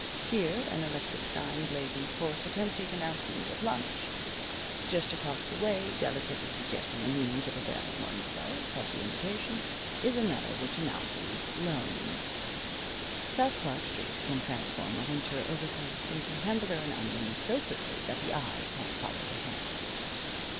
Here an electric sign blazons forth the tempting announcement of lunch. Just across the way, delicately suggesting a means of availing one's self of the invitation, is another which announces "Loans." South Clark Street can transform a winter overcoat into hamburger and onions so quickly that the eye can't follow the hand.